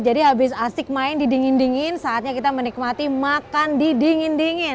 jadi habis asik main di dingin dingin saatnya kita menikmati makan di dingin dingin